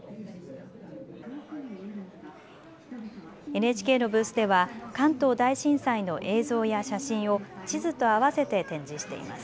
ＮＨＫのブースでは関東大震災の映像や写真を地図とあわせて展示しています。